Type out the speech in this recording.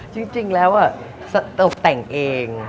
จริงแล้วอะตกแต่งเอง